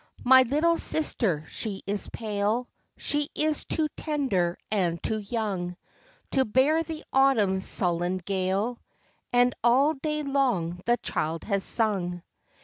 My little sister she is pale; She is too tender and too young To bear the autumnŌĆÖs sullen gale. And all day long the child has sung.